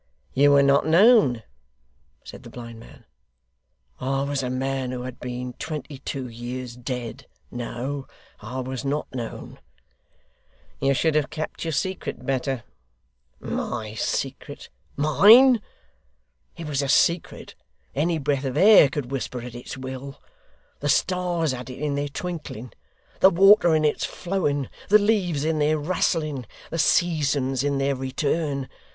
'You were not known?' said the blind man. 'I was a man who had been twenty two years dead. No. I was not known.' 'You should have kept your secret better.' 'MY secret? MINE? It was a secret, any breath of air could whisper at its will. The stars had it in their twinkling, the water in its flowing, the leaves in their rustling, the seasons in their return.